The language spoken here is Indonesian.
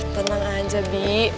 tenang aja bi